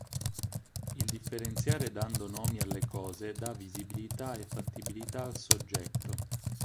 Il differenziare dando nomi alle cose dà visibilità e fattibilità al soggetto.